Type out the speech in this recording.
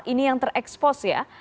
ini yang terekspos ya